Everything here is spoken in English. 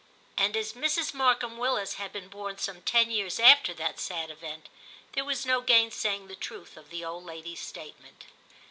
And as Mrs. Markham Willis had been born some ten years after that sad event, there was no gainsaying the truth of the old lady's statement.